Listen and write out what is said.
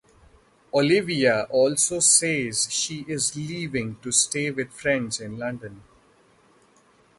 Olivia also says she is leaving to stay with friends in London.